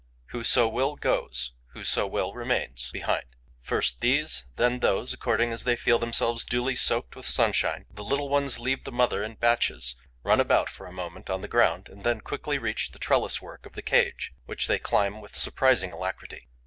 Whoso will goes; whoso will remains behind. First these, then those, according as they feel themselves duly soaked with sunshine, the little ones leave the mother in batches, run about for a moment on the ground and then quickly reach the trellis work of the cage, which they climb with surprising alacrity.